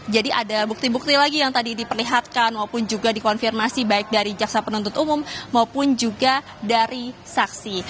jadi ada bukti bukti lagi yang tadi diperlihatkan maupun juga dikonfirmasi baik dari jaksa penuntut umum maupun juga dari saksi